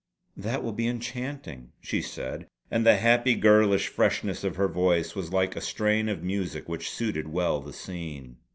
"That will be enchanting!" she said, and the happy girlish freshness of her voice was like a strain of music which suited well the scene.